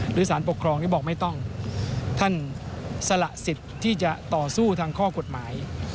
หรือสารปกครองก็บอกไม่ต้องท่านสละสิทธิ์ที่จะต่อสู้ทางข้อกฎหมาย